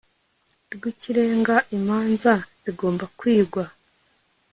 rw Ikirenga imanza zigomba kwigwa